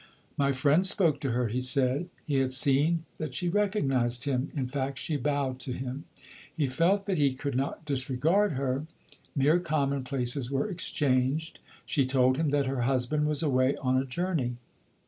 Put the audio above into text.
My friend spoke to her, he said. He had seen that she recognised him; in fact, she bowed to him. He felt that he could not disregard her. Mere commonplaces were exchanged. She told him that her husband was away on a journey.